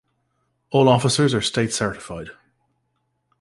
All officers are state certified.